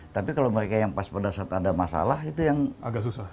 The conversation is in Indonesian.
tapi kalau mereka yang pas pada saat ada masalah itu yang agak susah